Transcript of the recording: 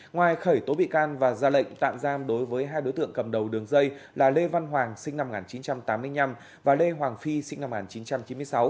ngoài khởi tố bị can và ra lệnh tạm giam đối với hai đối tượng cầm đầu đường dây là lê văn hoàng sinh năm một nghìn chín trăm tám mươi năm và lê hoàng phi sinh năm một nghìn chín trăm chín mươi sáu